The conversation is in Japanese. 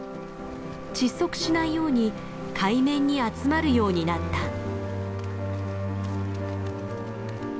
窒息しないように海面に集まるようになった。